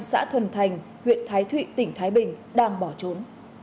xã thuần thành huyện thái thụy tỉnh thái bình đang bỏ trốn